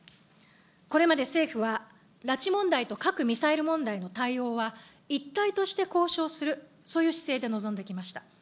これまで政府は、拉致問題と核・ミサイル問題の対応は、一体として交渉する、そういう姿勢で臨んできました。